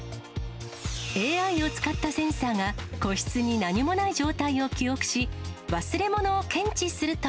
ＡＩを使ったセンサーが、個室に何もない状態を記憶し、忘れ物を検知すると。